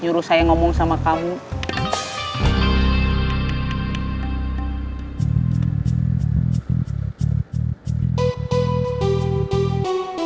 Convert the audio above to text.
kita cuma sebentar aja ketemunya